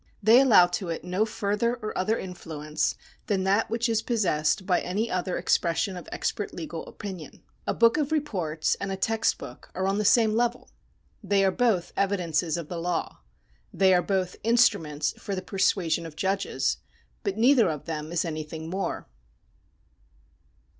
They allow to it no further or other influence than that which is possessed by any other expression of expert legal opinion. A book of reports and a text book are on the same level. They are both evidences of the law ; they are both instruments for the persuasion of judges; but neither of them is anything more.